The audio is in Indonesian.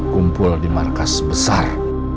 kumpul di markas besar